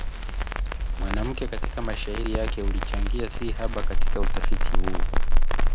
mwanamke katika mashairi yake ulichangia si haba katika utafiti huu